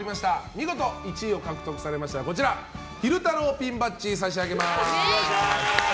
見事１位を獲得されましたら昼太郎ピンバッジ差し上げます。